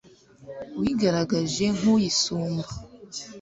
wigaragaje nk'uyisumba